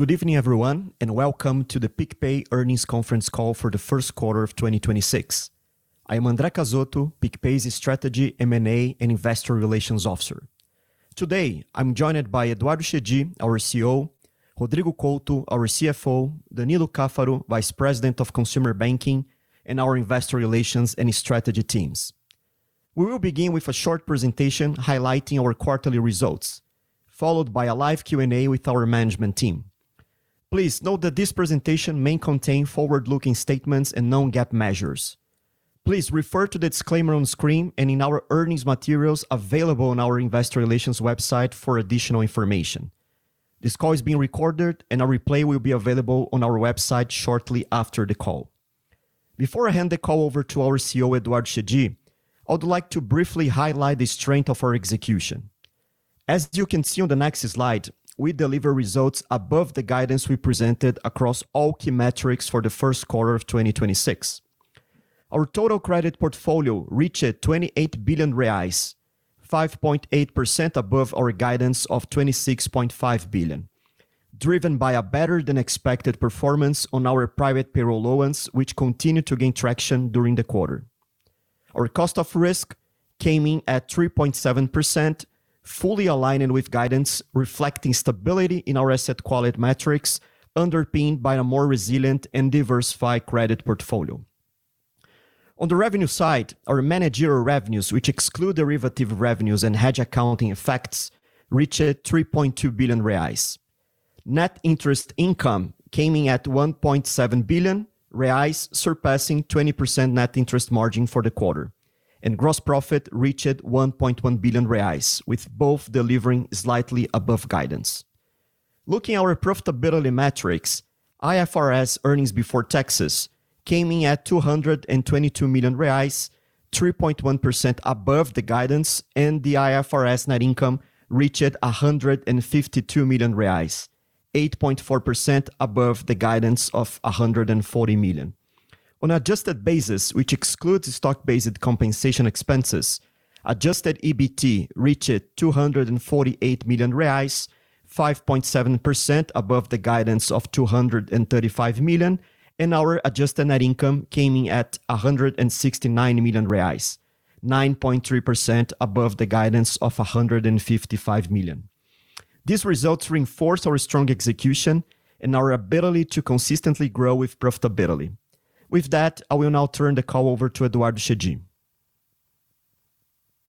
Good evening, everyone, welcome to the PicPay earnings conference call for the first quarter of 2026. I am André Cazotto, PicPay's Strategy, M&A, and Investor Relations Officer. Today, I'm joined by Eduardo Chedid, our CEO, Rodrigo Couto, our CFO, Danilo Caffaro, Vice President of Consumer Banking, and our investor relations and strategy teams. We will begin with a short presentation highlighting our quarterly results, followed by a live Q&A with our management team. Please note that this presentation may contain forward-looking statements and non-GAAP measures. Please refer to the disclaimer on screen and in our earnings materials available on our investor relations website for additional information. This call is being recorded and a replay will be available on our website shortly after the call. Before I hand the call over to our CEO, Eduardo Chedid, I would like to briefly highlight the strength of our execution. As you can see on the next slide, we deliver results above the guidance we presented across all key metrics for the first quarter of 2026. Our total credit portfolio reached 28 billion reais, 5.8% above our guidance of 26.5 billion, driven by a better than expected performance on our private payroll loans, which continued to gain traction during the quarter. Our cost of risk came in at 3.7%, fully aligning with guidance, reflecting stability in our asset quality metrics, underpinned by a more resilient and diversified credit portfolio. On the revenue side, our managerial revenues, which exclude derivative revenues and hedge accounting effects, reached 3.2 billion reais. Net interest income came in at 1.7 billion reais, surpassing 20% net interest margin for the quarter, and gross profit reached 1.1 billion reais, with both delivering slightly above guidance. Looking at our profitability metrics, IFRS earnings before taxes came in at 222 million reais, 3.1% above the guidance, and the IFRS net income reached 152 million reais, 8.4% above the guidance of 140 million. On adjusted basis, which excludes stock-based compensation expenses, adjusted EBT reached 248 million reais, 5.7% above the guidance of 235 million, and our adjusted net income came in at 169 million reais, 9.3% above the guidance of 155 million. These results reinforce our strong execution and our ability to consistently grow with profitability. With that, I will now turn the call over to Eduardo Chedid.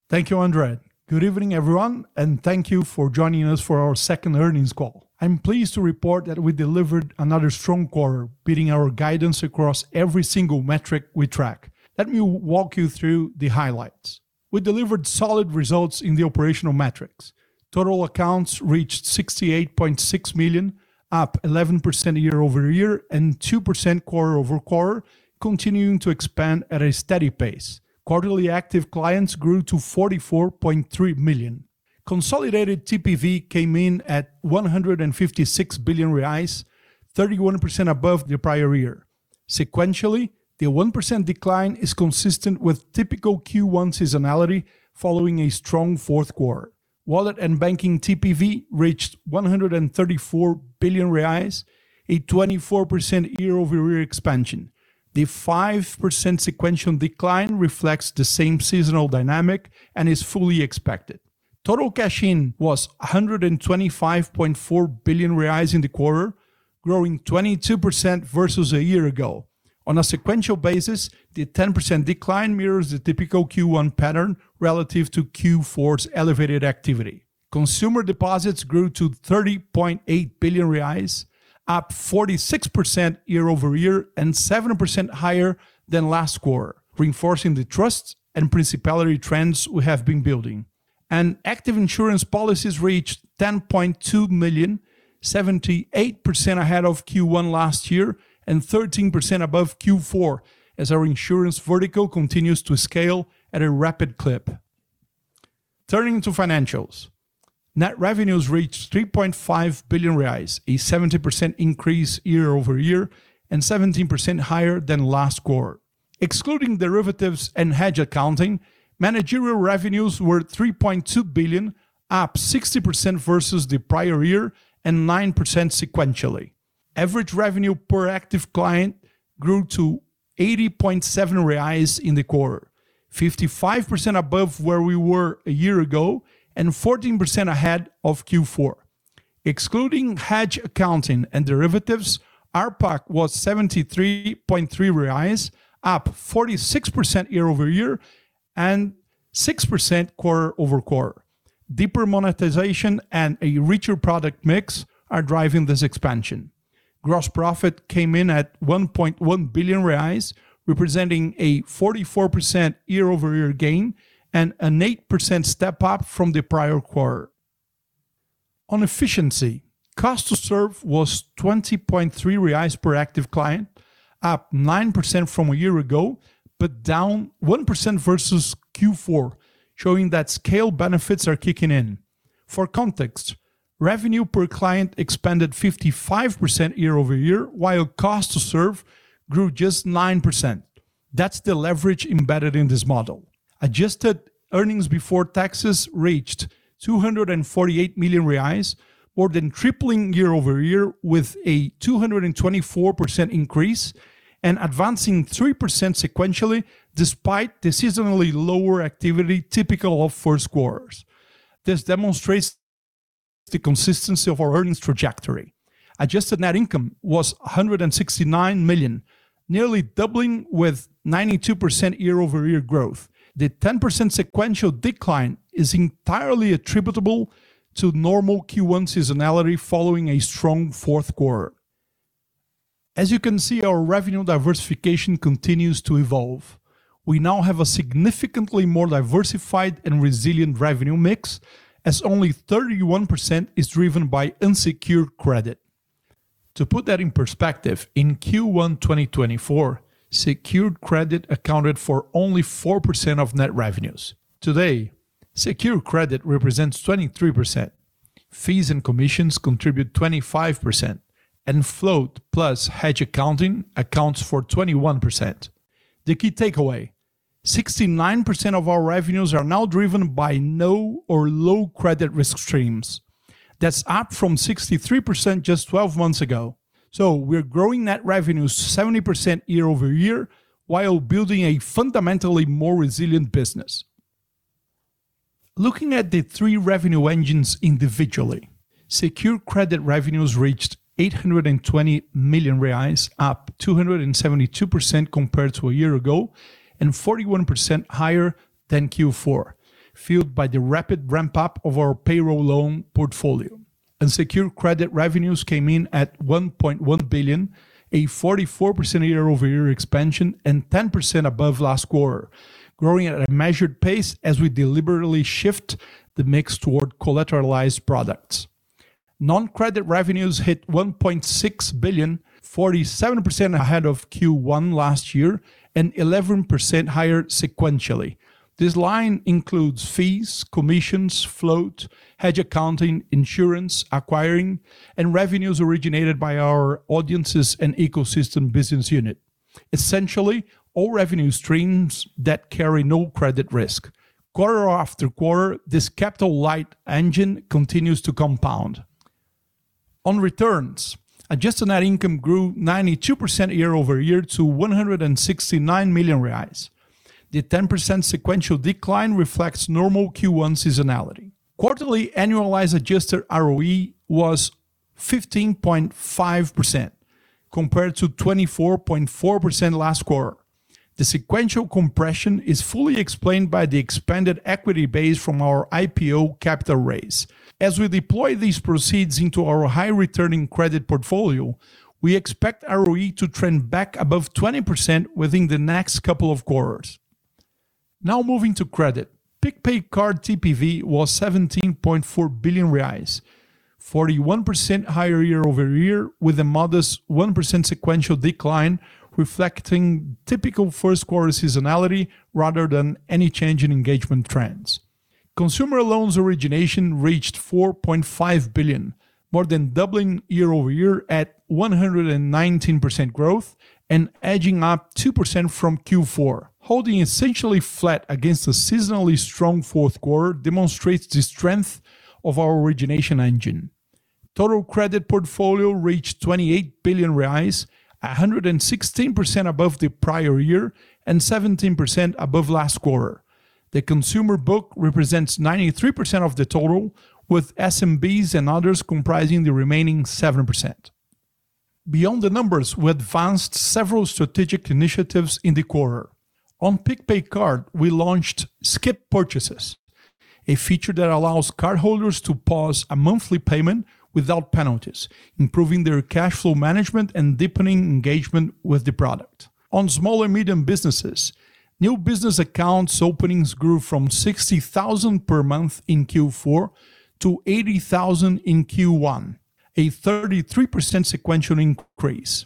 Thank you, André. Good evening, everyone, and thank you for joining us for our second earnings call. I'm pleased to report that we delivered another strong quarter, beating our guidance across every single metric we track. Let me walk you through the highlights. We delivered solid results in the operational metrics. Total accounts reached 68.6 million, up 11% year-over-year and 2% quarter-over-quarter, continuing to expand at a steady pace. Quarterly active clients grew to 44.3 million. Consolidated TPV came in at 156 billion reais, 31% above the prior year. Sequentially, the 1% decline is consistent with typical Q1 seasonality following a strong fourth quarter. Wallet and banking TPV reached 134 billion reais, a 24% year-over-year expansion. The 5% sequential decline reflects the same seasonal dynamic and is fully expected. Total cash-in was 125.4 billion reais in the quarter, growing 22% versus a year ago. On a sequential basis, the 10% decline mirrors the typical Q1 pattern relative to Q4's elevated activity. Consumer deposits grew to 30.8 billion reais, up 46% year-over-year and 7% higher than last quarter, reinforcing the trust and principal trends we have been building. Active insurance policies reached 10.2 million, 78% ahead of Q1 last year and 13% above Q4 as our insurance vertical continues to scale at a rapid clip. Turning to financials. Net revenues reached 3.5 billion reais, a 17% increase year-over-year and 17% higher than last quarter. Excluding derivatives and hedge accounting, managerial revenues were 3.2 billion, up 60% versus the prior year and 9% sequentially. Average revenue per active client grew to 80.7 reais in the quarter, 55% above where we were a year ago and 14% ahead of Q4. Excluding hedge accounting and derivatives, RPAC was 73.3 reais, up 46% year-over-year and 6% quarter-over-quarter. Deeper monetization and a richer product mix are driving this expansion. Gross profit came in at 1.1 billion reais, representing a 44% year-over-year gain and an 8% step-up from the prior quarter. On efficiency, cost to serve was 20.3 reais per active client, up 9% from a year ago, but down 1% versus Q4, showing that scale benefits are kicking in. For context, revenue per client expanded 55% year-over-year, while cost to serve grew just 9%. That's the leverage embedded in this model. Adjusted earnings before taxes reached 248 million reais, more than tripling year-over-year with a 224% increase, and advancing 3% sequentially despite the seasonally lower activity typical of first quarters. This demonstrates the consistency of our earnings trajectory. Adjusted net income was 169 million, nearly doubling with 92% year-over-year growth. The 10% sequential decline is entirely attributable to normal Q1 seasonality following a strong fourth quarter. As you can see, our revenue diversification continues to evolve. We now have a significantly more diversified and resilient revenue mix as only 31% is driven by unsecured credit. To put that in perspective, in Q1 2024, secured credit accounted for only 4% of net revenues. Today, secured credit represents 23%, fees and commissions contribute 25%, and float plus hedge accounting accounts for 21%. The key takeaway, 69% of our revenues are now driven by no or low credit risk streams. That's up from 63% just 12 months ago. We're growing net revenues 70% year-over-year while building a fundamentally more resilient business. Looking at the three revenue engines individually, secured credit revenues reached 820 million reais, up 272% compared to a year ago, and 41% higher than Q4, fueled by the rapid ramp-up of our payroll loan portfolio. Unsecured credit revenues came in at 1.1 billion, a 44% year-over-year expansion and 10% above last quarter, growing at a measured pace as we deliberately shift the mix toward collateralized products. Non-credit revenues hit 1.6 billion, 47% ahead of Q1 last year, and 11% higher sequentially. This line includes fees, commissions, float, hedge accounting, insurance, acquiring, and revenues originated by our audiences and ecosystem business unit. Essentially, all revenue streams that carry no credit risk. Quarter after quarter, this capital-light engine continues to compound. On returns, adjusted net income grew 92% year-over-year to 169 million reais. The 10% sequential decline reflects normal Q1 seasonality. Quarterly annualized adjusted ROE was 15.5% compared to 24.4% last quarter. The sequential compression is fully explained by the expanded equity base from our IPO capital raise. As we deploy these proceeds into our high-returning credit portfolio, we expect ROE to trend back above 20% within the next couple of quarters. Now moving to credit. PicPay Card TPV was 17.4 billion reais, 41% higher year-over-year with a modest 1% sequential decline, reflecting typical first quarter seasonality rather than any change in engagement trends. Consumer loans origination reached 4.5 billion, more than doubling year-over-year at 119% growth and edging up 2% from Q4. Holding essentially flat against a seasonally strong fourth quarter demonstrates the strength of our origination engine. Total credit portfolio reached 28 billion reais, 116% above the prior year and 17% above last quarter. The consumer book represents 93% of the total, with SMBs and others comprising the remaining 7%. Beyond the numbers, we advanced several strategic initiatives in the quarter. On PicPay Card, we launched Skip Purchases, a feature that allows cardholders to pause a monthly payment without penalties, improving their cash flow management and deepening engagement with the product. On small and medium businesses, new business accounts openings grew from 60,000 per month in Q4 to 80,000 in Q1, a 33% sequential increase.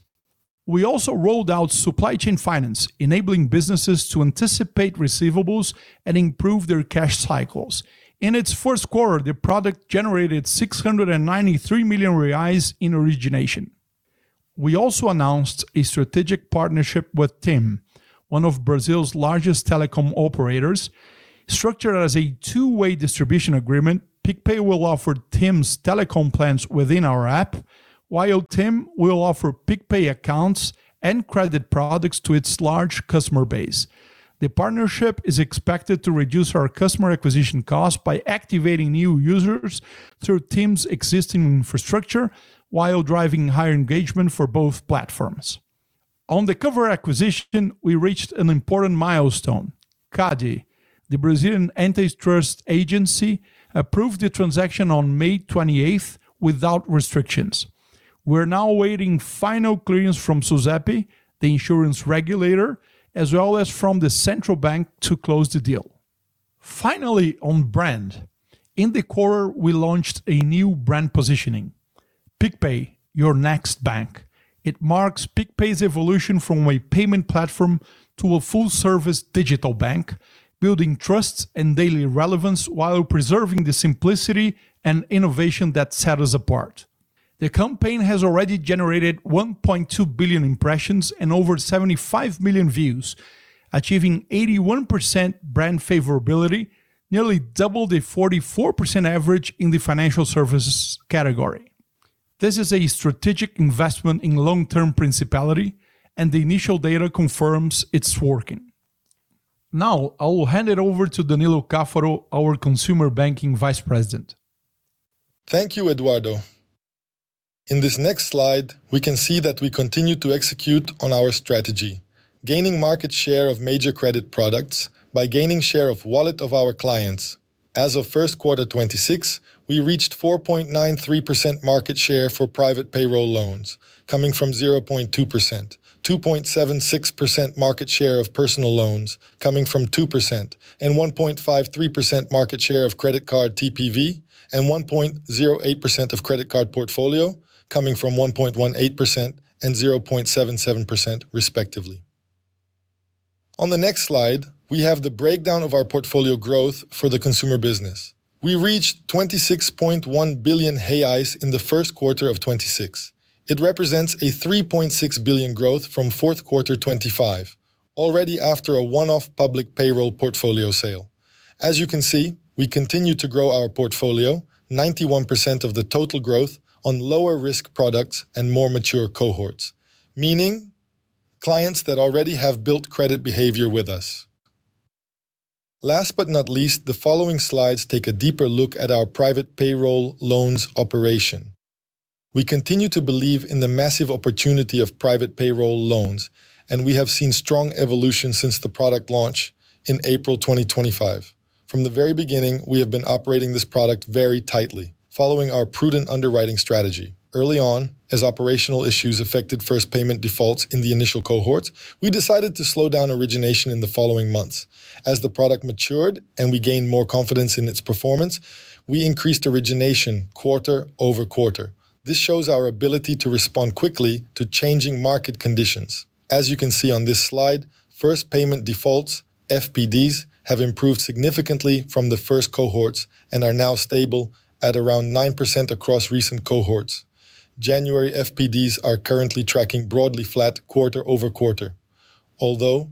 We also rolled out supply chain finance, enabling businesses to anticipate receivables and improve their cash cycles. In its first quarter, the product generated 693 million reais in origination. We also announced a strategic partnership with TIM, one of Brazil's largest telecom operators. Structured as a two-way distribution agreement, PicPay will offer TIM's telecom plans within our app, while TIM will offer PicPay accounts and credit products to its large customer base. The partnership is expected to reduce our customer acquisition cost by activating new users through TIM's existing infrastructure while driving higher engagement for both platforms. On the Kovr acquisition, we reached an important milestone. CADE, the Brazilian antitrust agency, approved the transaction on May 28th without restrictions. We are now awaiting final clearance from SUSEP, the insurance regulator, as well as from the Central Bank to close the deal. Finally, on brand. In the quarter, we launched a new brand positioning, PicPay, your next bank. It marks PicPay's evolution from a payment platform to a full-service digital bank, building trust and daily relevance while preserving the simplicity and innovation that set us apart. The campaign has already generated 1.2 billion impressions and over 75 million views, achieving 81% brand favorability, nearly double the 44% average in the financial services category. This is a strategic investment in long-term principality, and the initial data confirms it's working. Now I will hand it over to Danilo Caffaro, our Consumer Banking Vice President. Thank you, Eduardo. In this next slide, we can see that we continue to execute on our strategy, gaining market share of major credit products by gaining share of wallet of our clients. As of first quarter 2026, we reached 4.93% market share for private payroll loans, coming from 0.2%, 2.76% market share of personal loans, coming from 2% and 1.53% market share of credit card TPV and 1.08% of credit card portfolio, coming from 1.18% and 0.77% respectively. On the next slide, we have the breakdown of our portfolio growth for the consumer business. We reached 26.1 billion in the first quarter of 2026. It represents a 3.6 billion growth from fourth quarter 2025, already after a one-off public payroll portfolio sale. As you can see, we continue to grow our portfolio, 91% of the total growth on lower risk products and more mature cohorts, meaning clients that already have built credit behavior with us. Last but not least, the following slides take a deeper look at our private payroll loans operation. We continue to believe in the massive opportunity of private payroll loans, and we have seen strong evolution since the product launch in April 2025. From the very beginning, we have been operating this product very tightly, following our prudent underwriting strategy. Early on, as operational issues affected first payment defaults in the initial cohorts, we decided to slow down origination in the following months. As the product matured and we gained more confidence in its performance, we increased origination quarter over quarter. This shows our ability to respond quickly to changing market conditions. As you can see on this slide, first payment defaults, FPDs, have improved significantly from the first cohorts and are now stable at around 9% across recent cohorts. January FPDs are currently tracking broadly flat quarter-over-quarter. Although,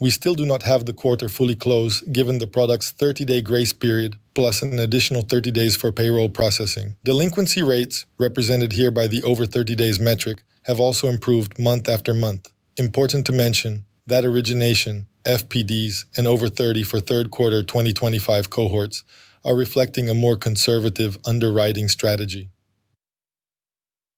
we still do not have the quarter fully closed, given the product's 30-day grace period, plus an additional 30 days for payroll processing. Delinquency rates, represented here by the over 30 days metric, have also improved month-after-month. Important to mention that origination, FPDs and over 30 for third quarter 2025 cohorts are reflecting a more conservative underwriting strategy.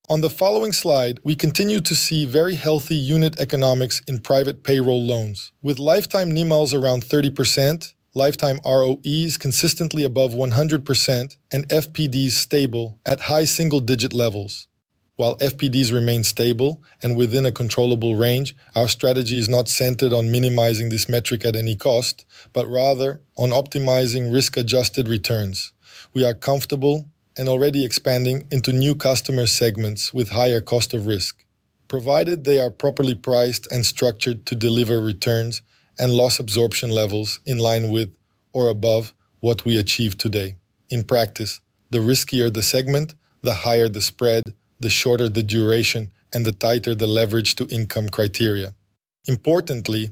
On the following slide, we continue to see very healthy unit economics in private payroll loans with lifetime NIMs around 30%, lifetime ROEs consistently above 100% and FPDs stable at high single-digit levels. While FPDs remain stable and within a controllable range, our strategy is not centered on minimizing this metric at any cost, but rather on optimizing risk-adjusted returns. We are comfortable and already expanding into new customer segments with higher cost of risk, provided they are properly priced and structured to deliver returns and loss absorption levels in line with or above what we achieve today. In practice, the riskier the segment, the higher the spread, the shorter the duration, and the tighter the leverage to income criteria. Importantly,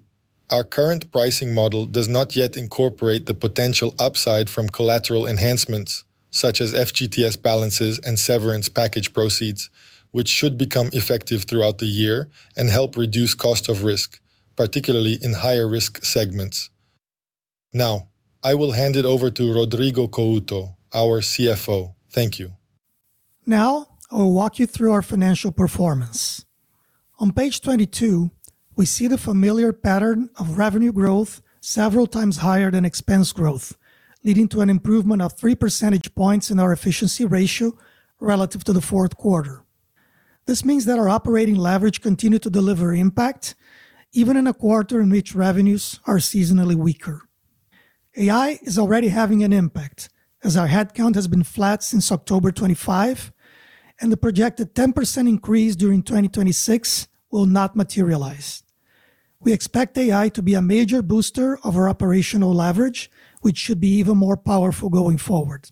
our current pricing model does not yet incorporate the potential upside from collateral enhancements such as FGTS balances and severance package proceeds, which should become effective throughout the year and help reduce cost of risk, particularly in higher risk segments. I will hand it over to Rodrigo Couto, our CFO. Thank you. Now I will walk you through our financial performance. On page 22, we see the familiar pattern of revenue growth several times higher than expense growth, leading to an improvement of 3 percentage points in our efficiency ratio relative to the fourth quarter. This means that our operating leverage continued to deliver impact even in a quarter in which revenues are seasonally weaker. AI is already having an impact as our headcount has been flat since October 2025 and the projected 10% increase during 2026 will not materialize. We expect AI to be a major booster of our operational leverage, which should be even more powerful going forward.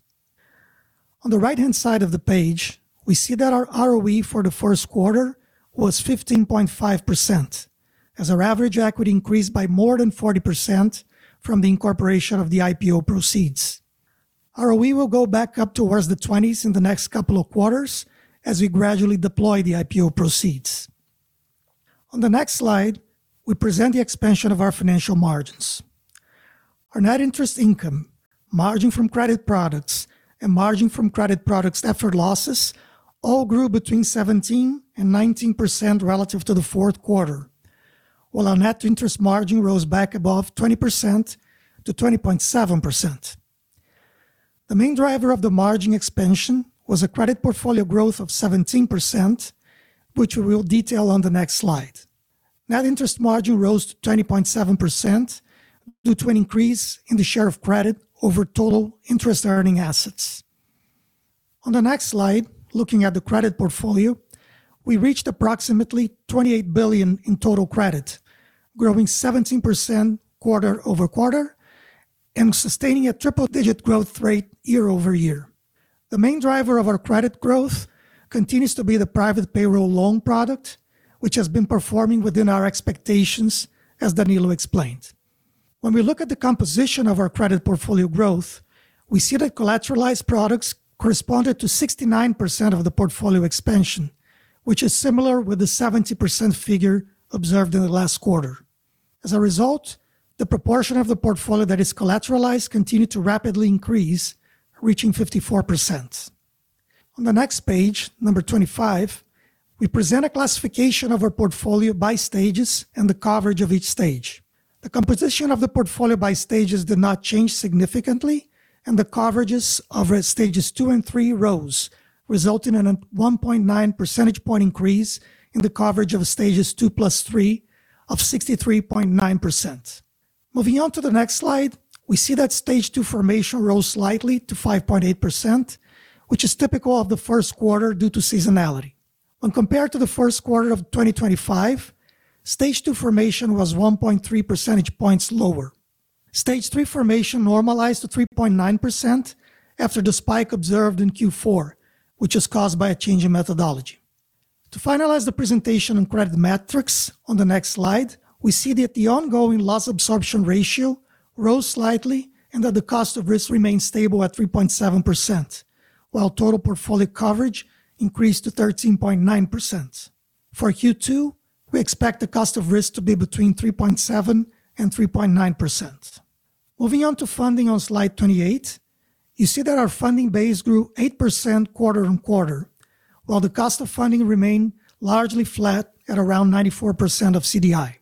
On the right-hand side of the page, we see that our ROE for the first quarter was 15.5%, as our average equity increased by more than 40% from the incorporation of the IPO proceeds. ROE will go back up towards the 20s in the next couple of quarters as we gradually deploy the IPO proceeds. On the next slide, we present the expansion of our financial margins. Our net interest income, margin from credit products, and margin from credit products after losses all grew between 17% and 19% relative to the fourth quarter, while our Net Interest Margin rose back above 20% to 20.7%. The main driver of the margin expansion was a credit portfolio growth of 17%, which we will detail on the next slide. Net Interest Margin rose to 20.7% due to an increase in the share of credit over total interest earning assets. On the next slide, looking at the credit portfolio, we reached approximately 28 billion in total credit, growing 17% quarter-over-quarter and sustaining a triple-digit growth rate year-over-year. The main driver of our credit growth continues to be the private payroll loan product, which has been performing within our expectations, as Danilo explained. We look at the composition of our credit portfolio growth, we see that collateralized products corresponded to 69% of the portfolio expansion, which is similar with the 70% figure observed in the last quarter. As a result, the proportion of the portfolio that is collateralized continued to rapidly increase, reaching 54%. On the next page, number 25, we present a classification of our portfolio by stages and the coverage of each stage. The composition of the portfolio by stages did not change significantly, and the coverages of Stages 2 and 3 rose, resulting in a 1.9 percentage point increase in the coverage of Stages 2 plus 3 of 63.9%. Moving on to the next slide, we see that Stage 2 formation rose slightly to 5.8%, which is typical of the first quarter due to seasonality. When compared to the first quarter of 2025, Stage 2 formation was 1.3 percentage points lower. Stage 3 formation normalized to 3.9% after the spike observed in Q4, which was caused by a change in methodology. To finalize the presentation on credit metrics, on the next slide, we see that the ongoing loss absorption ratio rose slightly and that the cost of risk remains stable at 3.7%, while total portfolio coverage increased to 13.9%. For Q2, we expect the cost of risk to be between 3.7% and 3.9%. Moving on to funding on slide 28, you see that our funding base grew 8% quarter-on-quarter, while the cost of funding remained largely flat at around 94% of CDI.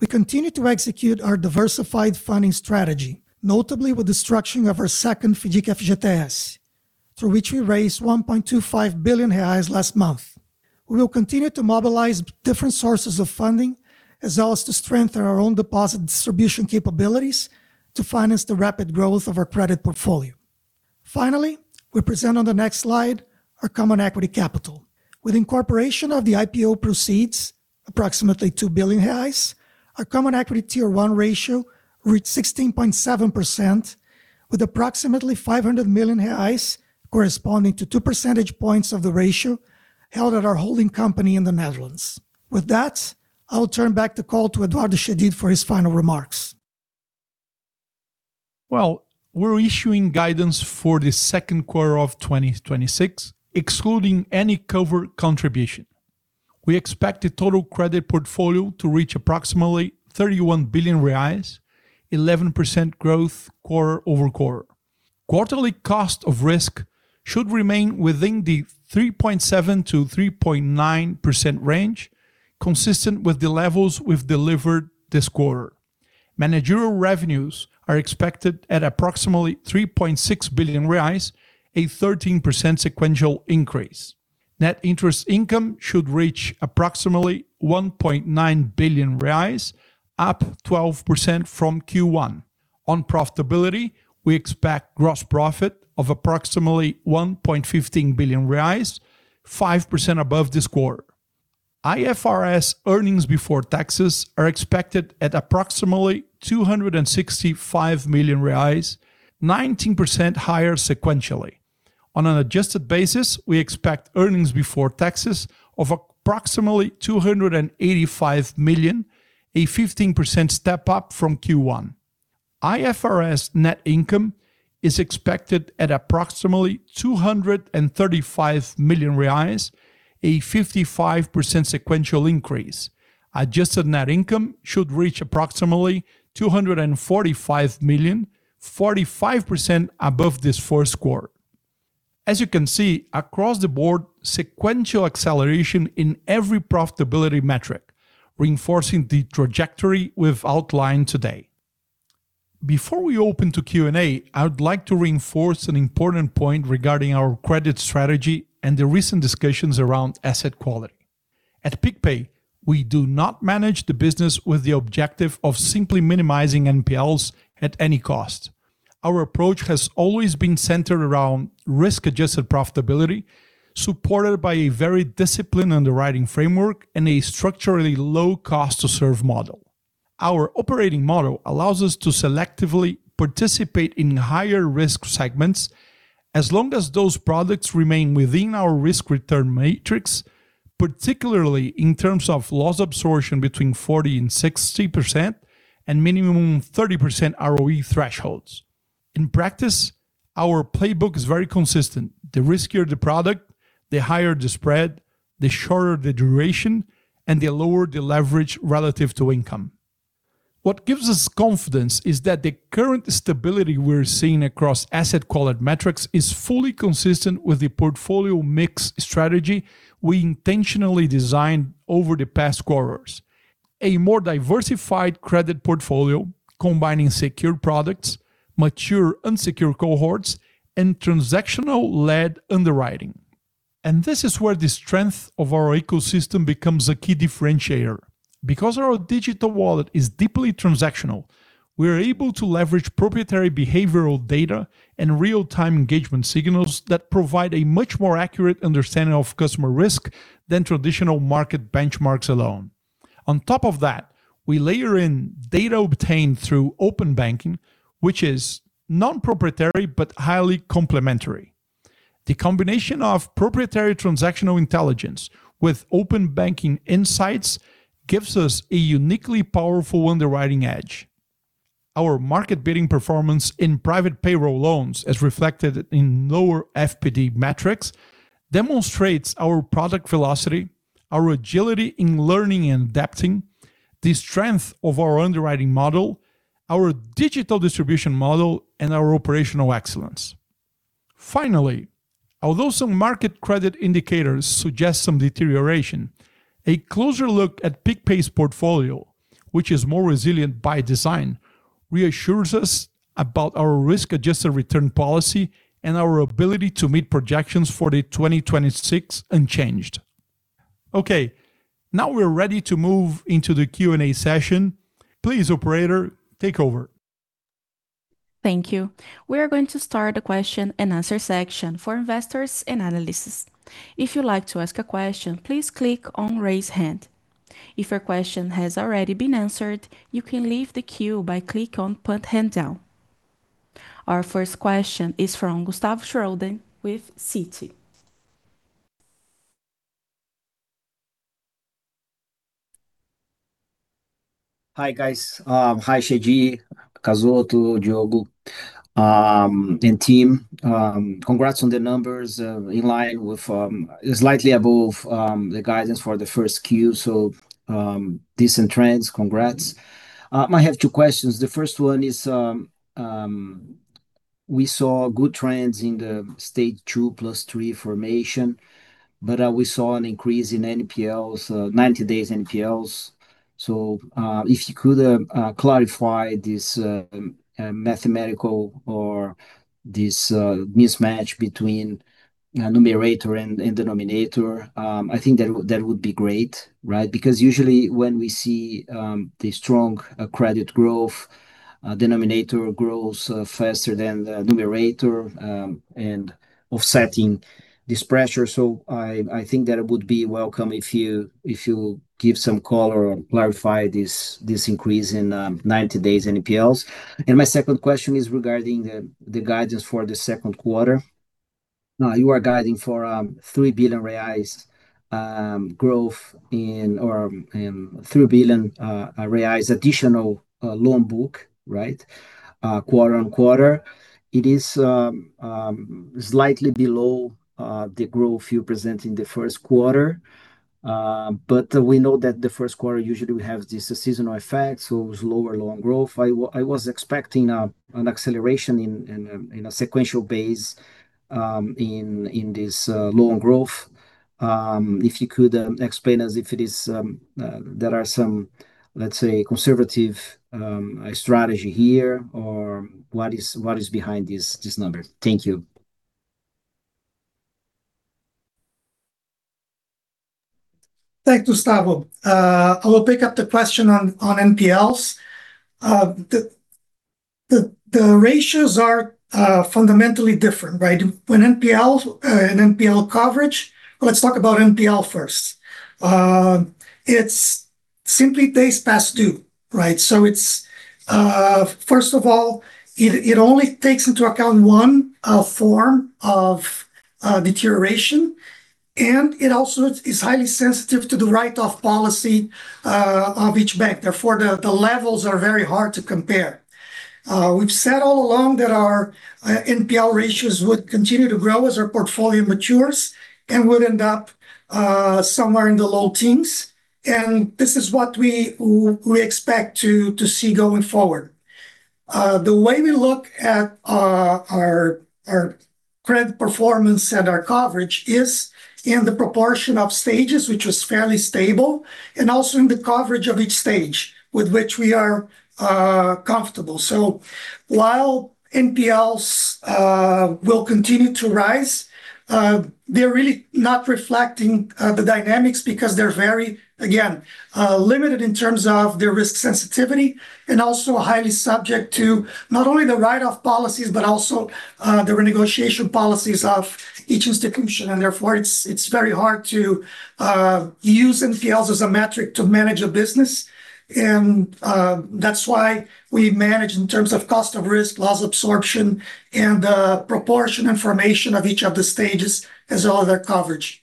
We continue to execute our diversified funding strategy, notably with the structuring of our second FGTS, through which we raised 1.25 billion reais last month. We will continue to mobilize different sources of funding as well as to strengthen our own deposit distribution capabilities to finance the rapid growth of our credit portfolio. Finally, we present on the next slide our common equity capital. With incorporation of the IPO proceeds, approximately 2 billion reais, our Common Equity Tier 1 ratio reached 16.7%, with approximately 500 million reais corresponding to 2 percentage points of the ratio held at our holding company in the Netherlands. With that, I will turn back the call to Eduardo Chedid for his final remarks. Well, we're issuing guidance for the second quarter of 2026, excluding any Kovr contribution. We expect the total credit portfolio to reach approximately 31 billion reais, 11% growth quarter-over-quarter. Quarterly cost of risk should remain within the 3.7%-3.9% range, consistent with the levels we've delivered this quarter. Managerial revenues are expected at approximately 3.6 billion reais, a 13% sequential increase. Net interest income should reach approximately 1.9 billion reais, up 12% from Q1. On profitability, we expect gross profit of approximately 1.15 billion reais, 5% above this quarter. IFRS earnings before taxes are expected at approximately 265 million reais, 19% higher sequentially. On an adjusted basis, we expect earnings before taxes of approximately 285 million, a 15% step up from Q1. IFRS net income is expected at approximately 235 million reais, a 55% sequential increase. Adjusted net income should reach approximately 245 million, 45% above this first quarter. As you can see across the board, sequential acceleration in every profitability metric, reinforcing the trajectory we've outlined today. Before we open to Q&A, I would like to reinforce an important point regarding our credit strategy and the recent discussions around asset quality. At PicPay, we do not manage the business with the objective of simply minimizing NPLs at any cost. Our approach has always been centered around risk-adjusted profitability, supported by a very disciplined underwriting framework and a structurally low cost to serve model. Our operating model allows us to selectively participate in higher risk segments as long as those products remain within our risk return matrix, particularly in terms of loss absorption between 40% and 60%, and minimum 30% ROE thresholds. In practice, our playbook is very consistent. The riskier the product, the higher the spread, the shorter the duration, and the lower the leverage relative to income. What gives us confidence is that the current stability we're seeing across asset quality metrics is fully consistent with the portfolio mix strategy we intentionally designed over the past quarters. A more diversified credit portfolio combining secure products, mature unsecured cohorts, and transactional-led underwriting. This is where the strength of our ecosystem becomes a key differentiator. Because our digital wallet is deeply transactional, we are able to leverage proprietary behavioral data and real-time engagement signals that provide a much more accurate understanding of customer risk than traditional market benchmarks alone. On top of that, we layer in data obtained through open banking, which is non-proprietary but highly complementary. The combination of proprietary transactional intelligence with open banking insights gives us a uniquely powerful underwriting edge. Our market-beating performance in private payroll loans, as reflected in lower FPD metrics, demonstrates our product velocity, our agility in learning and adapting, the strength of our underwriting model, our digital distribution model, and our operational excellence. Finally, although some market credit indicators suggest some deterioration, a closer look at PicPay's portfolio, which is more resilient by design, reassures us about our risk-adjusted return policy and our ability to meet projections for the 2026 unchanged. Now we are ready to move into the Q&A session. Please, operator, take over. Thank you. We are going to start the question and answer section for investors and analysts. If you'd like to ask a question, please click on Raise Hand. If your question has already been answered, you can leave the queue by click on Put Hand Down. Our first question is from Gustavo Schroden with Citi. Hi, guys. Hi, Chedid, Cazotto, Couto, and team. Congrats on the numbers, slightly above the guidance for the first Q, decent trends. Congrats. I have two questions. The first one is we saw good trends in the Stage 2 plus 3 formation, but we saw an increase in 90-day NPLs. If you could clarify this mathematical or this mismatch between numerator and denominator, I think that would be great, right? Because usually when we see the strong credit growth, denominator grows faster than the numerator and offsetting this pressure. I think that it would be welcome if you give some color or clarify this increase in 90-day NPLs. My second question is regarding the guidance for the second quarter. Now, you are guiding for 3 billion reais growth or 3 billion reais additional loan book, right? Quarter-on-quarter. It is slightly below the growth you present in the first quarter. We know that the first quarter usually we have this seasonal effect, so it was lower loan growth. I was expecting an acceleration in a sequential base in this loan growth. If you could explain as if there are some, let's say, conservative strategy here, or what is behind these numbers? Thank you. Thanks, Gustavo. I will pick up the question on NPLs. The ratios are fundamentally different, right? Let's talk about NPL first. It simply days past due, right? First of all, it only takes into account one form of deterioration, and it also is highly sensitive to the write-off policy of each bank. Therefore, the levels are very hard to compare. We've said all along that our NPL ratios would continue to grow as our portfolio matures and would end up somewhere in the low teens, and this is what we expect to see going forward. The way we look at our credit performance and our coverage is in the proportion of stages, which was fairly stable, and also in the coverage of each stage with which we are comfortable. While NPLs will continue to rise, they're really not reflecting the dynamics because they're very, again, limited in terms of their risk sensitivity and also highly subject to not only the write-off policies, but also the renegotiation policies of each institution. Therefore, it's very hard to use NPLs as a metric to manage a business. That's why we manage in terms of cost of risk, loss absorption, and proportion information of each of the stages as all other coverage.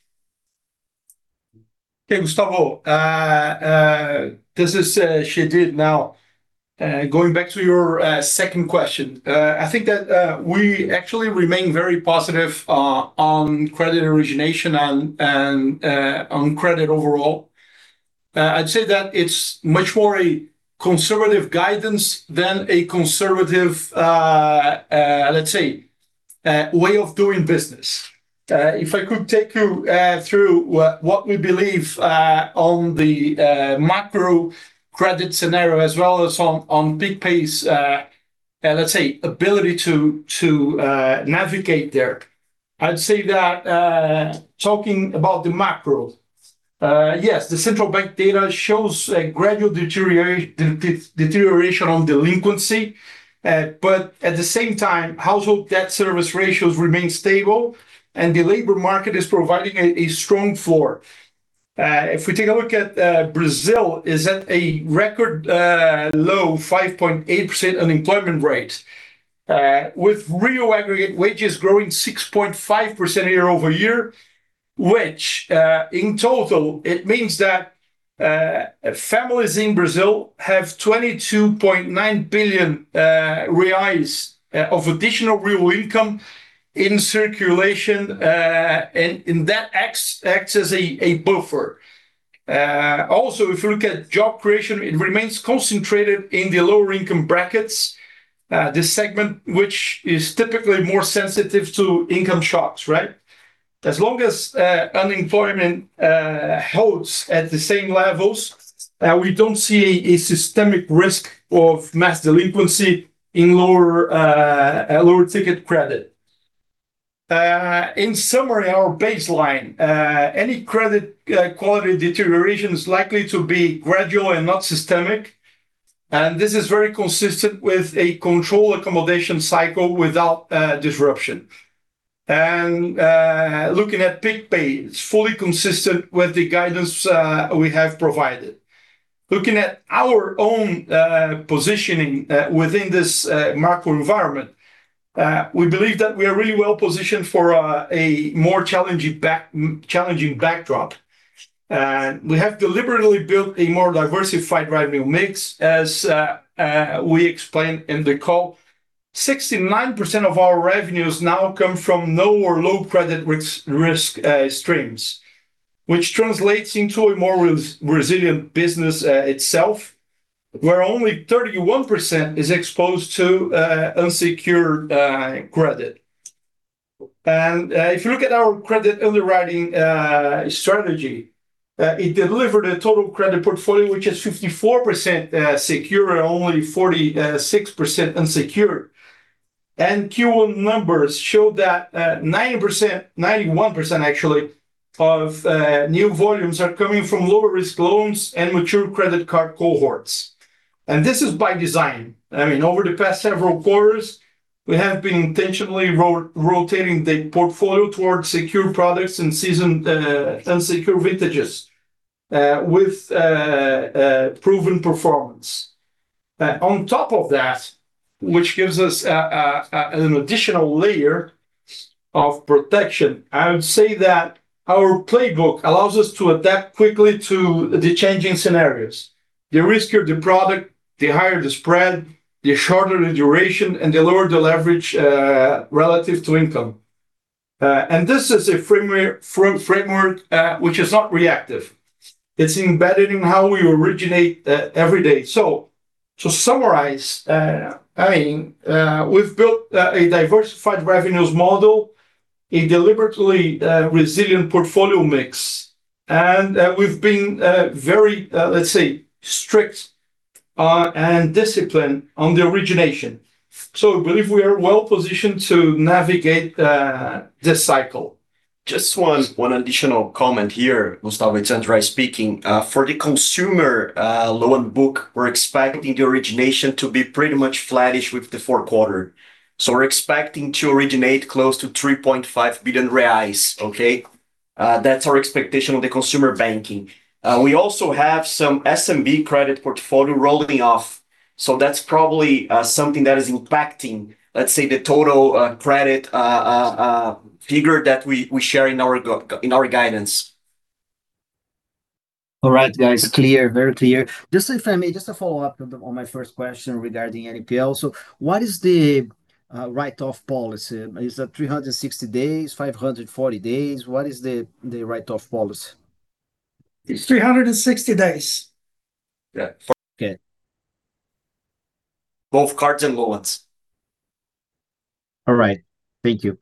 Okay, Gustavo. This is Chedid now. Going back to your second question, I think that we actually remain very positive on credit origination and on credit overall. I'd say that it's much more a conservative guidance than a conservative, let's say, way of doing business. If I could take you through what we believe on the macro credit scenario as well as on PicPay's let's say, ability to navigate there. I'd say that talking about the macro, yes, the Central Bank data shows a gradual deterioration on delinquency. At the same time, household debt service ratios remain stable, and the labor market is providing a strong floor. If we take a look at Brazil is at a record low 5.8% unemployment rate, with real aggregate wages growing 6.5% year-over-year, which in total it means that families in Brazil have 22.9 billion reais of additional real income in circulation, and that acts as a buffer. Also, if you look at job creation, it remains concentrated in the lower income brackets. This segment, which is typically more sensitive to income shocks, right? As long as unemployment holds at the same levels, we don't see a systemic risk of mass delinquency in lower ticket credit. In summary, our baseline, any credit quality deterioration is likely to be gradual and not systemic, and this is very consistent with a control accommodation cycle without disruption. Looking at PicPay, it's fully consistent with the guidance we have provided. Looking at our own positioning within this macro environment, we believe that we are really well-positioned for a more challenging backdrop. We have deliberately built a more diversified revenue mix, as we explained in the call. 69% of our revenues now come from no or low credit risk streams, which translates into a more resilient business itself, where only 31% is exposed to unsecured credit. If you look at our credit underwriting strategy, it delivered a total credit portfolio, which is 54% secure and only 46% unsecured. Q1 numbers show that 90%, 91% actually, of new volumes are coming from lower risk loans and mature credit card cohorts. This is by design. Over the past several quarters, we have been intentionally rotating the portfolio towards secure products and seasoned and secure vintages with proven performance. On top of that, which gives us an additional layer of protection, I would say that our playbook allows us to adapt quickly to the changing scenarios. The riskier the product, the higher the spread, the shorter the duration, and the lower the leverage relative to income. This is a framework which is not reactive. It's embedded in how we originate every day. To summarize, we've built a diversified revenues model, a deliberately resilient portfolio mix, and we've been very, let's say, strict and disciplined on the origination. I believe we are well-positioned to navigate this cycle. Just one additional comment here, Gustavo, it's André speaking. For the consumer loan book, we're expecting the origination to be pretty much flattish with the fourth quarter. We're expecting to originate close to 3.5 billion reais, okay. That's our expectation with the consumer banking. We also have some SMB credit portfolio rolling off, so that's probably something that is impacting, let's say, the total credit figure that we share in our guidance. All right, guys. Clear, very clear. Just if I may, just to follow up on my first question regarding NPL. What is the write-off policy? Is that 360 days, 540 days? What is the write-off policy? It's 360 days. Yeah. Okay. Both cards and loans. All right. Thank you.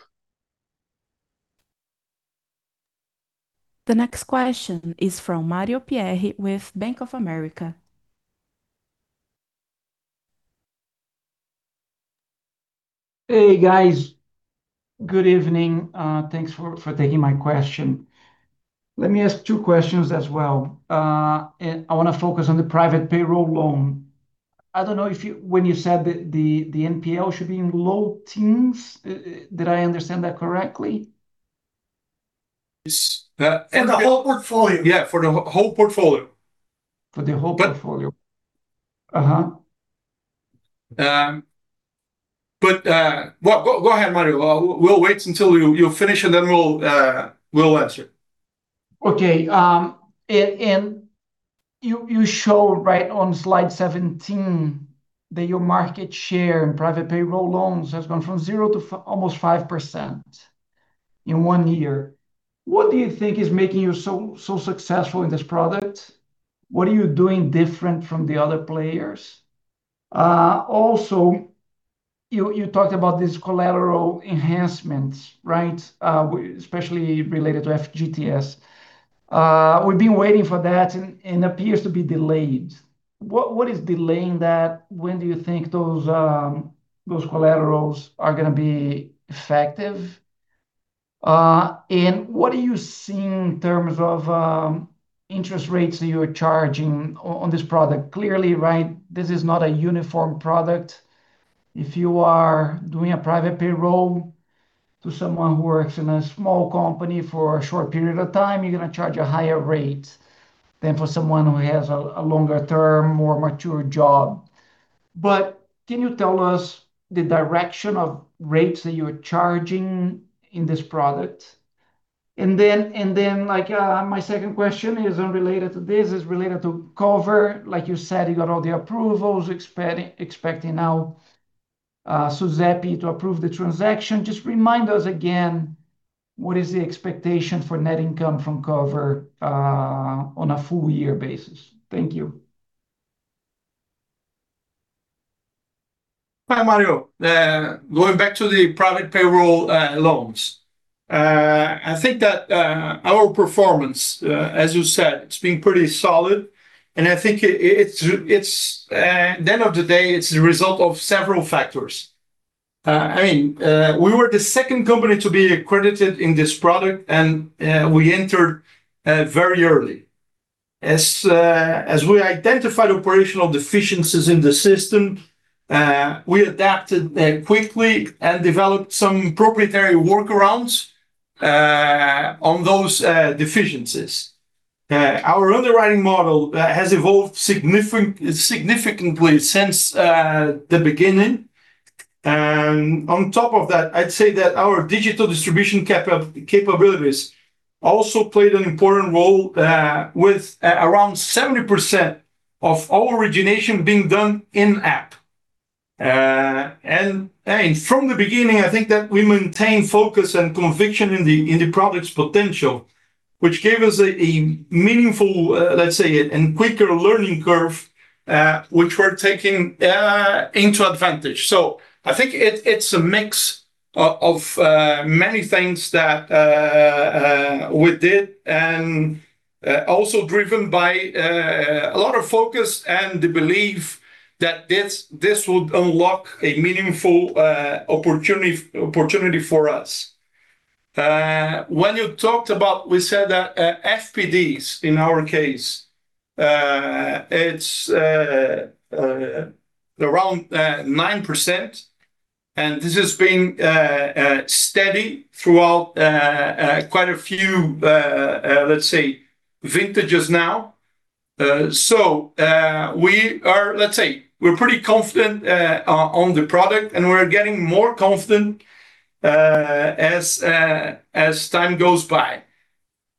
The next question is from Mario Pierry with Bank of America. Hey, guys. Good evening. Thanks for taking my question. Let me ask two questions as well. I want to focus on the private payroll loan. I don't know when you said that the NPL should be in low teens, did I understand that correctly? Yes. For the whole portfolio. Yeah, for the whole portfolio. For the whole portfolio. Go ahead, Mario. We'll wait until you finish, and then we'll answer. Okay. You show right on slide 17 that your market share in private payroll loans has gone from zero to almost 5% in one year. What do you think is making you so successful in this product? What are you doing different from the other players? Also, you talked about these collateral enhancements, right? Especially related to FGTS. We've been waiting for that, and appears to be delayed. What is delaying that? When do you think those collaterals are going to be effective? What are you seeing in terms of interest rates that you're charging on this product? Clearly, this is not a uniform product. If you are doing a private payroll to someone who works in a small company for a short period of time, you're going to charge a higher rate than for someone who has a longer-term, more mature job. Can you tell us the direction of rates that you're charging in this product? My second question is unrelated to this. It's related to Kovr. Like you said, you got all the approvals, expecting now SUSEP to approve the transaction. Just remind us again, what is the expectation for net income from Kovr on a full year basis? Thank you. Hi, Mario. Going back to the private payroll loans. I think that our performance, as you said, it's been pretty solid, and I think at the end of the day, it's the result of several factors. We were the second company to be accredited in this product, and we entered very early. As we identified operational deficiencies in the system, we adapted quickly and developed some proprietary workarounds on those deficiencies. Our underwriting model has evolved significantly since the beginning. On top of that, I'd say that our digital distribution capabilities also played an important role, with around 70% of our origination being done in-app. From the beginning, I think that we maintained focus and conviction in the product's potential, which gave us a meaningful, let's say, and quicker learning curve, which we're taking into advantage. I think it's a mix of many things that we did, and also driven by a lot of focus and the belief that this would unlock a meaningful opportunity for us. When you talked about, we said that FPDs in our case, it's around 9%, and this has been steady throughout quite a few, let's say, vintages now. We're pretty confident on the product, and we're getting more confident as time goes by.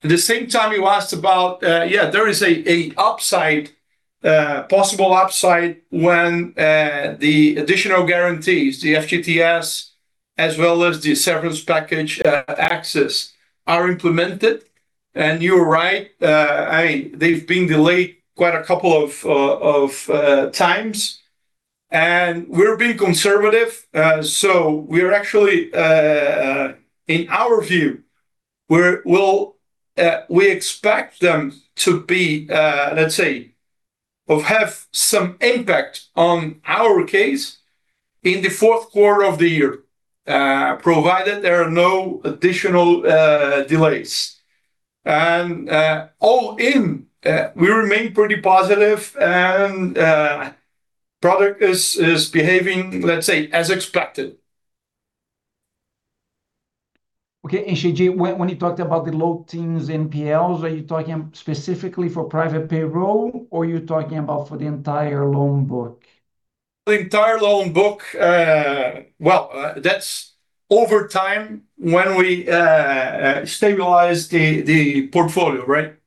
At the same time, you asked about, there is a possible upside when the additional guarantees, the FGTS, as well as the severance package access are implemented. You're right, they've been delayed quite a couple of times. We're being conservative, so we're actually, in our view, we expect them to have some impact on our case in the fourth quarter of the year, provided there are no additional delays. All in, we remain pretty positive and product is behaving as expected. Okay. Chedid, when you talked about the low teens NPLs, are you talking specifically for private payroll, or are you talking about for the entire loan book? The entire loan book. Well, that's over time when we stabilize the portfolio, right?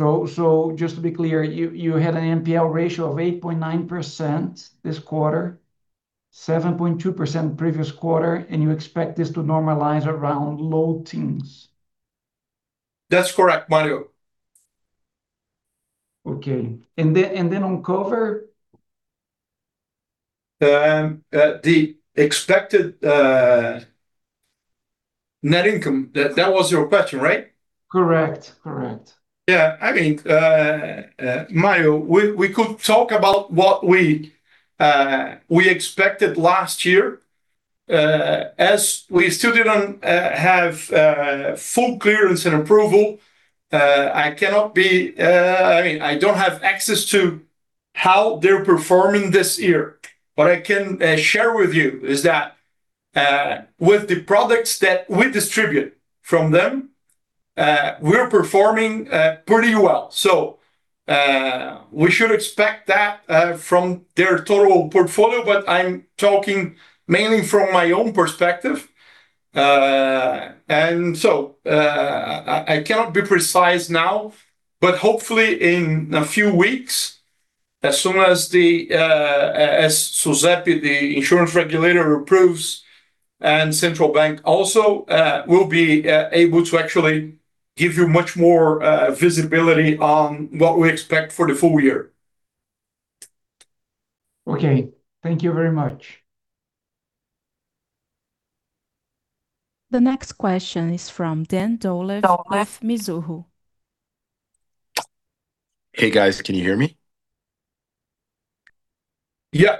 Just to be clear, you had an NPL ratio of 8.9% this quarter, 7.2% previous quarter, and you expect this to normalize around low teens. That's correct, Mario. Okay. Then on Kovr? The expected net income, that was your question, right? Correct. Yeah. Mario, we could talk about what we expected last year. As we still didn't have full clearance and approval, I don't have access to how they're performing this year. What I can share with you is that with the products that we distribute from them, we're performing pretty well. We should expect that from their total portfolio, but I'm talking mainly from my own perspective. I cannot be precise now, but hopefully in a few weeks, as soon as SUSEP, the insurance regulator, approves and Central Bank also, we'll be able to actually give you much more visibility on what we expect for the full year. Okay. Thank you very much. The next question is from Dan Dolev with Mizuho. Hey, guys. Can you hear me? Yeah.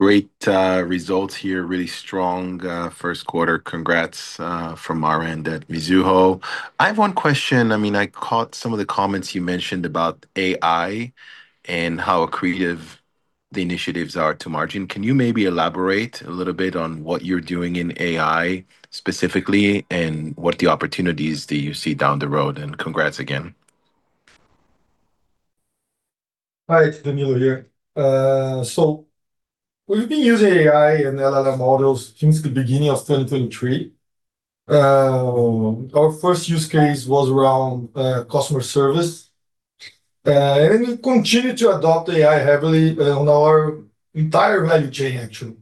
Great results here. Really strong first quarter. Congrats from our end at Mizuho. I have one question. I caught some of the comments you mentioned about AI and how accretive the initiatives are to margin. Can you maybe elaborate a little bit on what you're doing in AI specifically, and what the opportunities do you see down the road? Congrats again. Hi, it's Danilo here. We've been using AI and LLM models since the beginning of 2023. Our first use case was around customer service. We continue to adopt AI heavily on our entire value chain actually.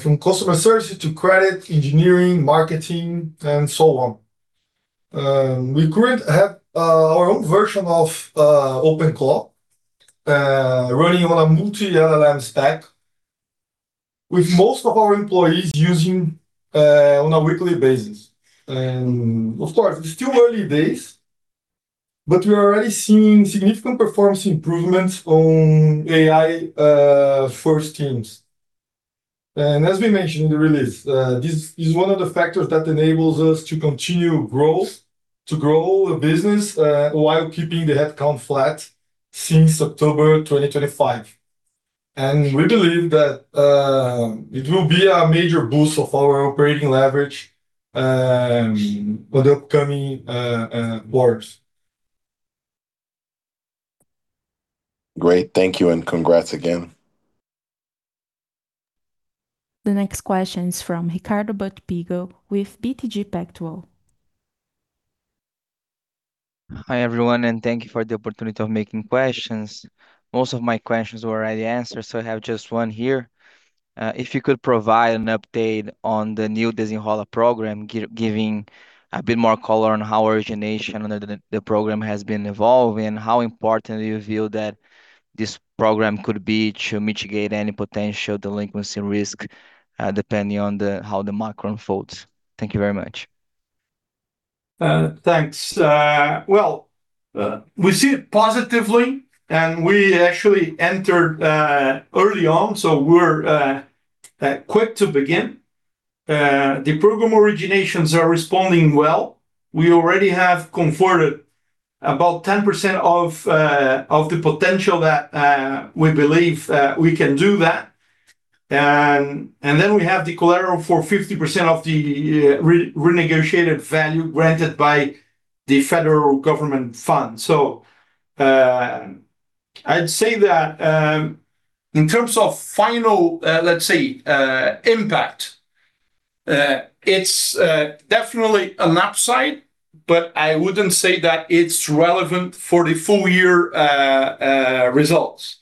From customer service to credit, engineering, marketing, and so on. We currently have our own version of OpenClaude running on a multi LLM stack with most of our employees using on a weekly basis. Of course, it's still early days, but we are already seeing significant performance improvements on AI first teams. As we mentioned in the release, this is one of the factors that enables us to continue growth, to grow the business, while keeping the headcount flat since October 2025. We believe that it will be a major boost of our operating leverage for the upcoming quarters. Great. Thank you, and congrats again. The next question is from Ricardo Buchpiguel with BTG Pactual. Hi, everyone, and thank you for the opportunity of making questions. Most of my questions were already answered, so I have just one here. If you could provide an update on the new Desenrola program, giving a bit more color on how origination under the program has been evolving, how important do you feel that this program could be to mitigate any potential delinquency risk, depending on how the macro unfolds? Thank you very much. Thanks. Well, we see it positively, and we actually entered early on. We're quick to begin. The program originations are responding well. We already have converted about 10% of the potential that we believe we can do that. Then we have the collateral for 50% of the renegotiated value granted by the federal government fund. I'd say that in terms of final, let's say, impact it's definitely an upside, but I wouldn't say that it's relevant for the full year results.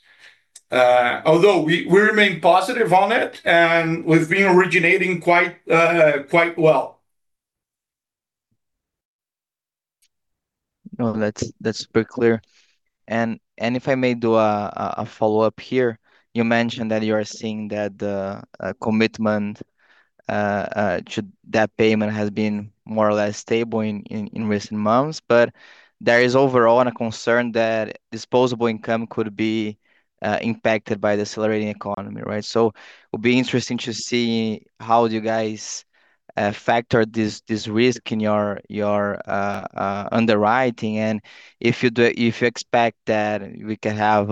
Although we remain positive on it, and we've been originating quite well. No, that's super clear. If I may do a follow-up here. You mentioned that you are seeing that the commitment to that payment has been more or less stable in recent months. There is overall a concern that disposable income could be impacted by decelerating economy, right? It'll be interesting to see how you guys factor this risk in your underwriting. If you expect that we can have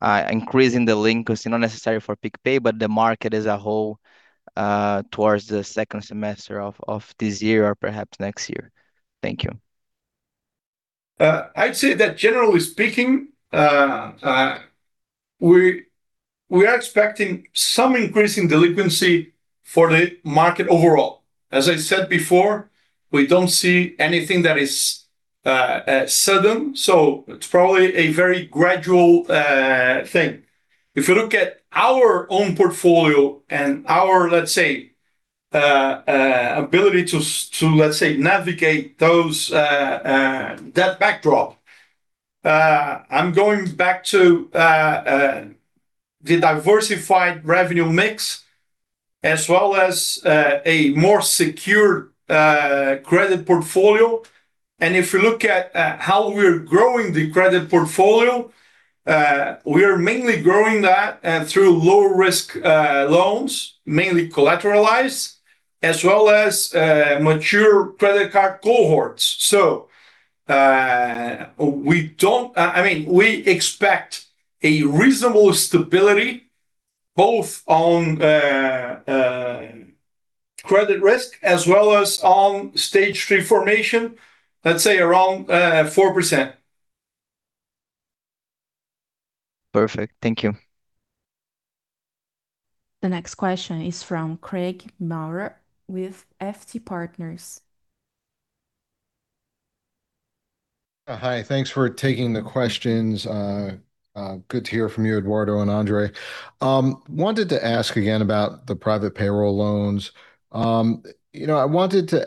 an increase in delinquency, not necessarily for PicPay, but the market as a whole towards the second semester of this year or perhaps next year. Thank you. I'd say that generally speaking we are expecting some increase in delinquency for the market overall. As I said before, we don't see anything that is sudden, so it's probably a very gradual thing. If you look at our own portfolio and our, let's say, ability to, let's say, navigate those, that backdrop. I'm going back to the diversified revenue mix as well as a more secured credit portfolio. If you look at how we're growing the credit portfolio, we are mainly growing that through low risk loans, mainly collateralized, as well as mature credit card cohorts. We expect a reasonable stability both on credit risk as well as on Stage 3 formation, let's say around 4%. Perfect. Thank you. The next question is from Craig Maurer with FT Partners. Hi. Thanks for taking the questions. Good to hear from you, Eduardo and André. Wanted to ask again about the private payroll loans. I wanted to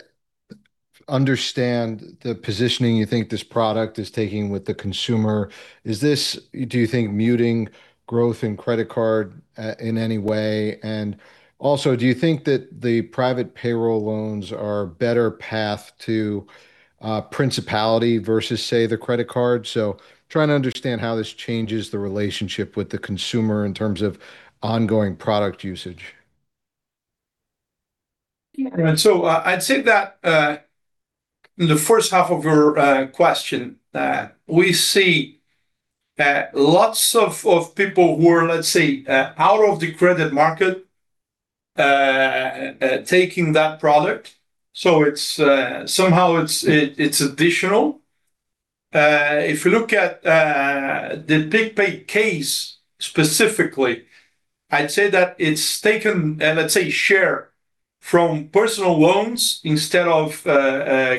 understand the positioning you think this product is taking with the consumer. Is this, do you think, muting growth in credit card in any way? Also, do you think that the private payroll loans are a better path to principality versus, say, the credit card? Trying to understand how this changes the relationship with the consumer in terms of ongoing product usage. I'd say that, the first half of your question, we see lots of people who are, let's say, out of the credit market taking that product. Somehow it's additional. If you look at the PicPay case specifically, I'd say that it's taken, let's say, share from personal loans instead of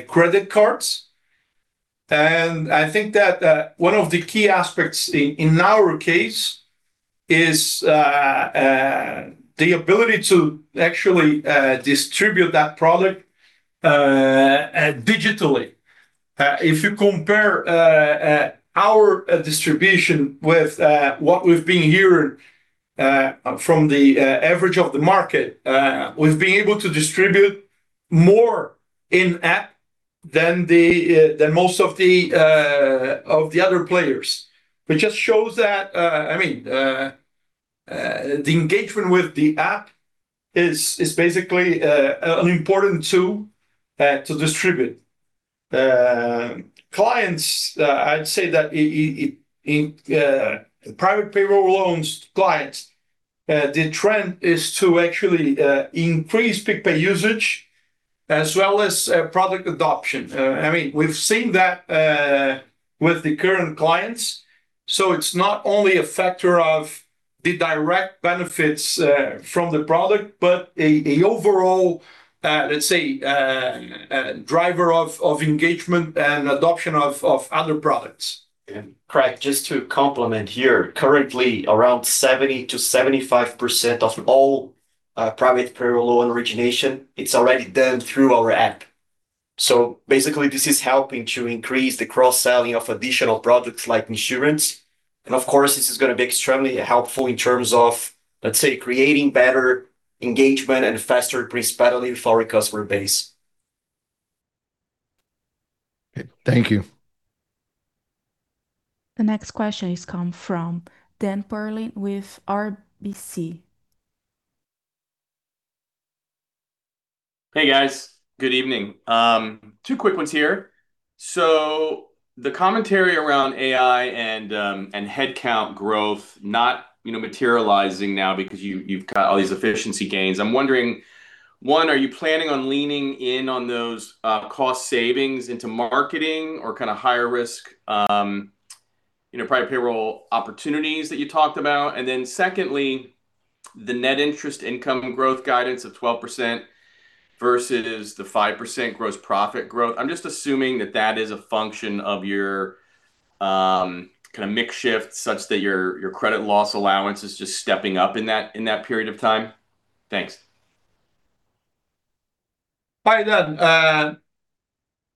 credit cards. I think that one of the key aspects in our case is the ability to actually distribute that product digitally. If you compare our distribution with what we've been hearing from the average of the market, we've been able to distribute more in-app than most of the other players, which just shows that the engagement with the app is basically an important tool to distribute. Clients, I'd say that in private payroll loans clients, the trend is to actually increase PicPay usage as well as product adoption. We've seen that with the current clients, so it's not only a factor of the direct benefits from the product, but an overall driver of engagement and adoption of other products. Craig, just to complement here, currently around 70%-75% of all private payroll loan origination, it's already done through our app. Basically, this is helping to increase the cross-selling of additional products like insurance, and of course, this is going to be extremely helpful in terms of creating better engagement and faster principality for our customer base. Okay. Thank you. The next question is come from Dan Perlin with RBC. Hey, guys. Good evening. Two quick ones here. The commentary around AI and headcount growth not materializing now because you've got all these efficiency gains. I'm wondering, one, are you planning on leaning in on those cost savings into marketing or kind of higher risk, private payroll opportunities that you talked about? And then secondly, the net interest income growth guidance of 12% versus the 5% gross profit growth. I'm just assuming that that is a function of your kind of mix shift such that your credit loss allowance is just stepping up in that period of time. Thanks. Hi, Dan.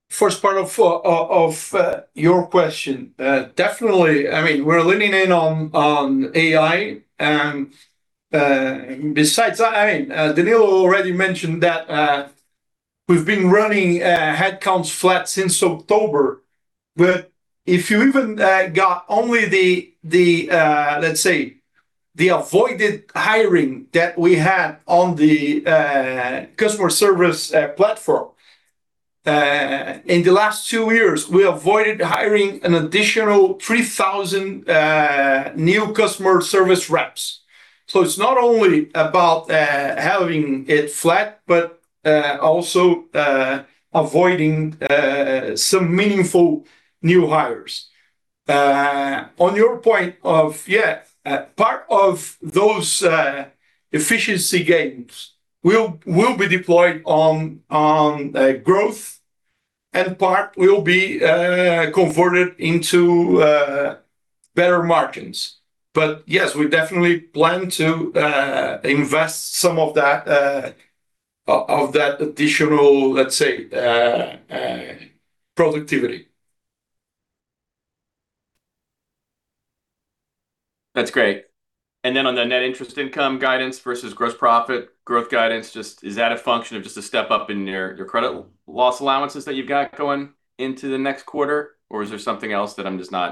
First part of your question. Definitely, we're leaning in on AI. Besides, Danilo already mentioned that we've been running headcounts flat since October. If you even got only the avoided hiring that we had on the customer service platform. In the last two years, we avoided hiring an additional 3,000 new customer service reps. It's not only about having it flat, but also avoiding some meaningful new hires. On your point of, part of those efficiency gains will be deployed on growth and part will be converted into better margins. Yes, we definitely plan to invest some of that additional productivity. That's great. On the net interest income guidance versus gross profit growth guidance, just is that a function of just a step-up in your credit loss allowances that you've got going into the next quarter? Is there something else that I'm just? No,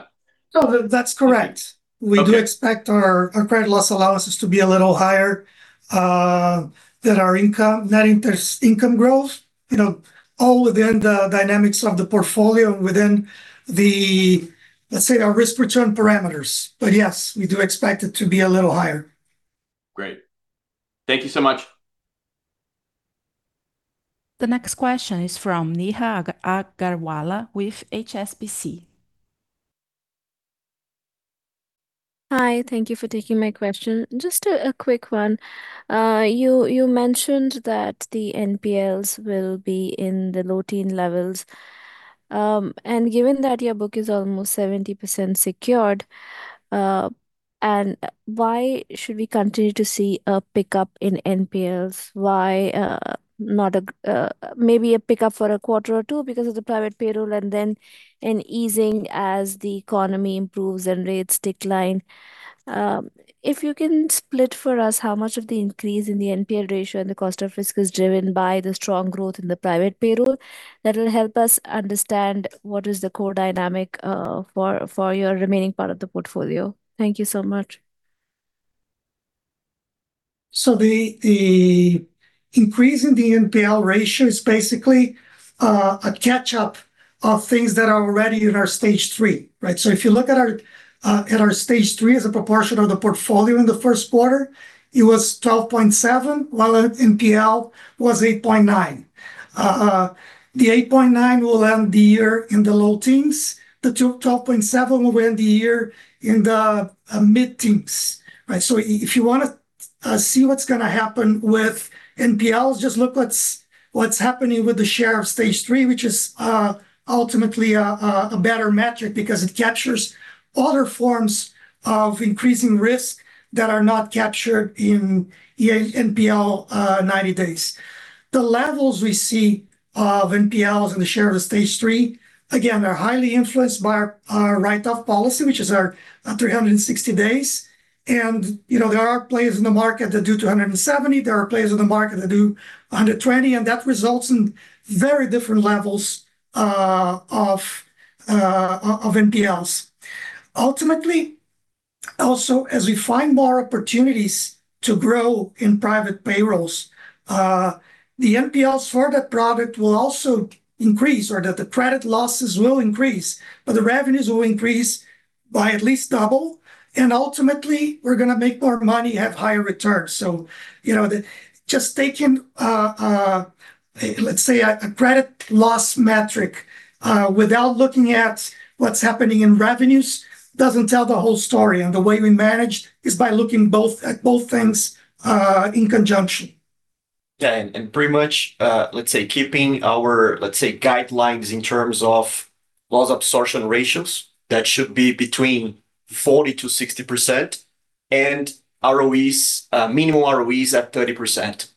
that's correct. Okay. We do expect our credit loss allowances to be a little higher than our Net Interest Income growth, all within the dynamics of the portfolio and within the risk return parameters. Yes, we do expect it to be a little higher. Great. Thank you so much. The next question is from Neha Agarwala with HSBC. Hi. Thank you for taking my question. Just a quick one. You mentioned that the NPLs will be in the low-teen levels. Given that your book is almost 70% secured, why should we continue to see a pickup in NPLs? Maybe a pickup for a quarter or two because of the private payroll, and then an easing as the economy improves and rates decline. If you can split for us how much of the increase in the NPL ratio and the cost of risk is driven by the strong growth in the private payroll, that will help us understand what is the core dynamic for your remaining part of the portfolio. Thank you so much. The increase in the NPL ratio is basically a catch-up of things that are already in our Stage 3. If you look at our Stage 3 as a proportion of the portfolio in the first quarter, it was 12.7%, while NPL was 8.9%. The 8.9% will end the year in the low teens. The 12.7% will end the year in the mid teens. If you want to see what's going to happen with NPLs, just look what's happening with the share of Stage 3, which is ultimately a better metric because it captures other forms of increasing risk that are not captured in NPL 90 days. The levels we see of NPLs in the share of Stage 3, again, are highly influenced by our write-off policy, which is our 360 days. There are players in the market that do 270, there are players in the market that do 120, and that results in very different levels of NPLs. Ultimately, also, as we find more opportunities to grow in private payrolls, the NPLs for that product will also increase, or that the credit losses will increase, but the revenues will increase by at least double. Ultimately, we're going to make more money, have higher returns. Just taking, let's say, a credit loss metric without looking at what's happening in revenues doesn't tell the whole story. The way we manage is by looking at both things in conjunction. Yeah. Pretty much, let's say, keeping our guidelines in terms of loss absorption ratios, that should be between 40%-60%, and minimum ROEs at 30%.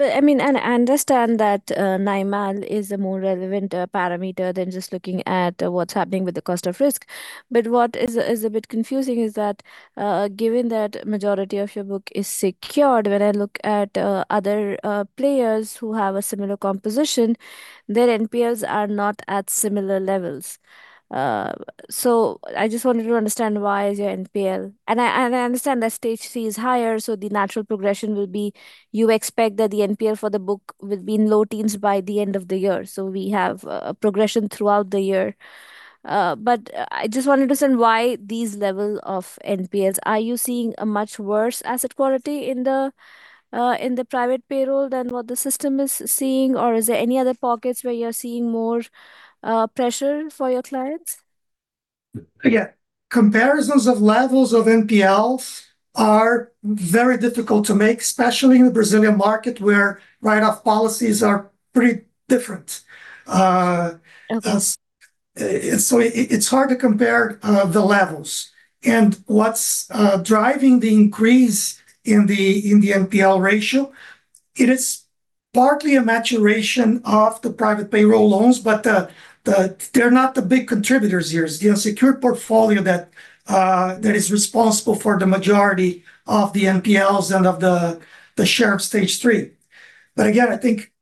Understood. I understand that NIMAL is a more relevant parameter than just looking at what's happening with the cost of risk. What is a bit confusing is that given that majority of your book is secured, when I look at other players who have a similar composition, their NPLs are not at similar levels. I just wanted to understand why is your NPL. I understand that Stage 3 is higher, so the natural progression will be you expect that the NPL for the book will be in low teens by the end of the year. We have a progression throughout the year. I just want to understand why these level of NPLs. Are you seeing a much worse asset quality in the private payroll than what the system is seeing, or is there any other pockets where you're seeing more pressure for your clients? Again, comparisons of levels of NPLs are very difficult to make, especially in the Brazilian market where write-off policies are pretty different. Okay. It's hard to compare the levels. What's driving the increase in the NPL ratio, it is partly a maturation of the private payroll loans, but they're not the big contributors here. It's the secured portfolio that is responsible for the majority of the NPLs and of the share of Stage 3. Again, I think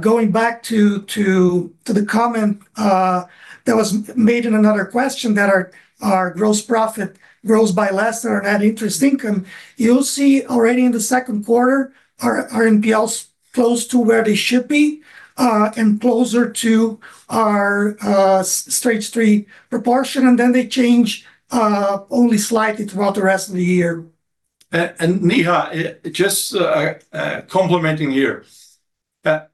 going back to the comment that was made in another question that our gross profit grows by less than our net interest income, you'll see already in the second quarter our NPLs close to where they should be and closer to our Stage 3 proportion, and then they change only slightly throughout the rest of the year. Neha, just complementing here.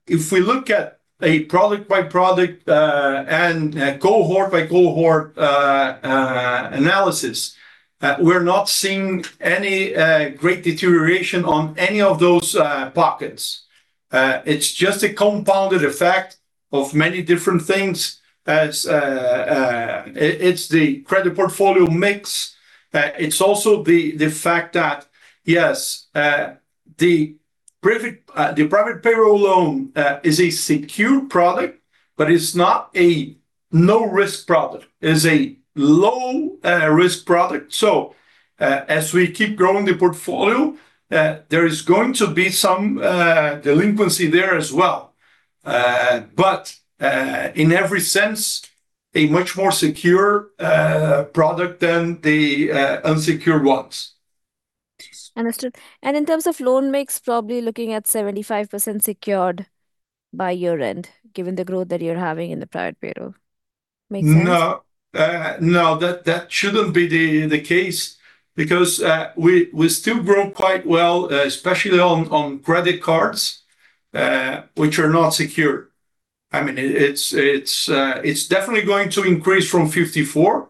If we look at a product by product and cohort by cohort analysis, we're not seeing any great deterioration on any of those pockets. It's just a compounded effect of many different things. It's the credit portfolio mix. It's also the fact that, yes, the private payroll loan is a secure product, but it's not a no risk product. It's a low risk product. As we keep growing the portfolio, there is going to be some delinquency there as well. In every sense, a much more secure product than the unsecured ones. Understood. In terms of loan mix, probably looking at 75% secured by year-end, given the growth that you're having in the private payroll. Make sense? No. That shouldn't be the case because we still grow quite well, especially on credit cards, which are not secure. It's definitely going to increase from 54%,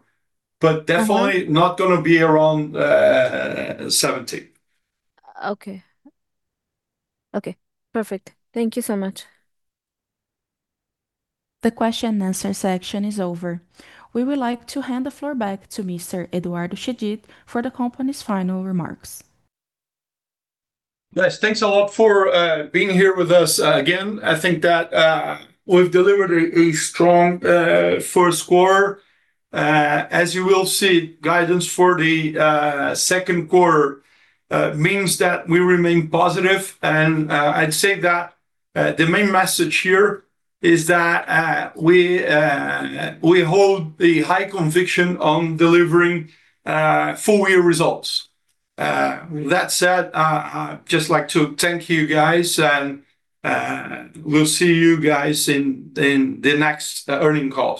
but definitely not going to be around 70%. Okay. Perfect. Thank you so much. The question and answer section is over. We would like to hand the floor back to Mr. Eduardo Chedid for the company's final remarks. Guys, thanks a lot for being here with us again. I think that we've delivered a strong first quarter. As you will see, guidance for the second quarter means that we remain positive and I'd say that the main message here is that we hold the high conviction on delivering full year results. That said, I'd just like to thank you guys and we'll see you guys in the next earnings call.